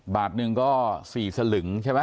บาทหนึ่งก็๔สลึงใช่ไหม